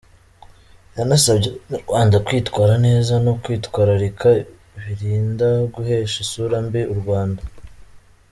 Yanasabye Abanyarwanda kwitwara neza no kwitwararika birinda guhesha isura mbi u Rwanda.